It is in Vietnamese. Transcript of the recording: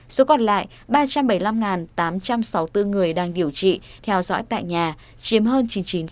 số còn lại ba trăm bảy mươi năm tám trăm sáu mươi bốn người đang điều trị theo dõi tại nhà chiếm hơn chín mươi chín